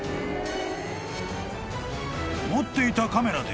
［持っていたカメラで］